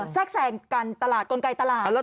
แทรกแทรงการตลาดกลไกตลาด